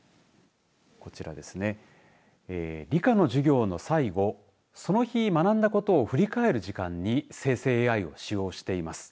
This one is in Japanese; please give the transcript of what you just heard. こちらですね理科の授業の最後その日学んだことを振り返る時間に生成ＡＩを使用しています。